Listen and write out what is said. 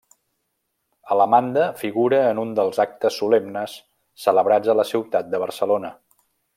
Alemanda figura en un dels actes solemnes celebrats a la ciutat de Barcelona.